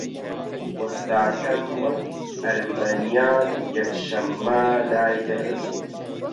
وەستاکەم وەک ئەرمەنییان یەکشەممە دایدەخست